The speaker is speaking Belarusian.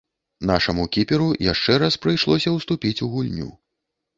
Нашаму кіперу яшчэ раз прыйшлося ўступіць у гульню.